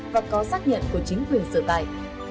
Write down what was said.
và có xác nhận của chính quyền sửa tài